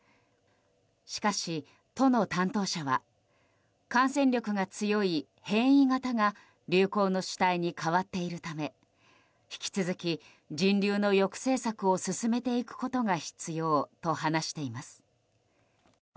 しかし、都の担当者は感染力が強い変異型が流行の主体に変わっているため引き続き、人流の抑制策を進めていくことが必要と話しています。